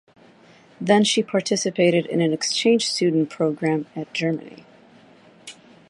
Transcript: Then she participated in an exchange student program at Germany.